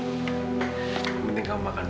yang penting kamu makan dulu